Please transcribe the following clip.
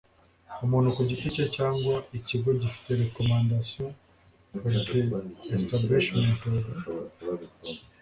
umuntu ku giti cye cyangwa ikigo gifite recommendation for the establishment of